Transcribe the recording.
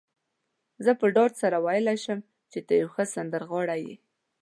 زه په ډاډ سره ویلای شم، ته یو ښه سندرغاړی يې.